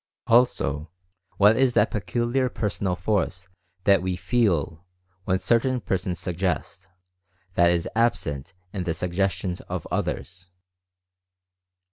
Also : What is that peculiar Personal Force that we FEEL when certain persons Suggest, that is absent in the Suggestions of others?